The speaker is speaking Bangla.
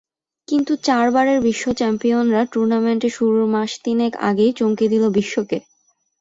কিন্তু চারবারের বিশ্ব চ্যাম্পিয়নরা টুর্নামেন্ট শুরুর মাস তিনেক আগেই চমকে দিল বিশ্বকে।